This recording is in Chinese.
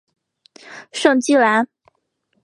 圣基兰。